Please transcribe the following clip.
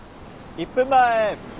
１分前！